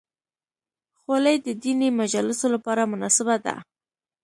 خولۍ د دیني مجالسو لپاره مناسبه ده.